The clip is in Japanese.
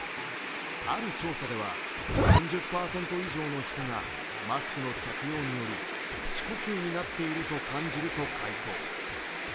ある調査では、４０％以上の人がマスクの着用により口呼吸になっていると解答。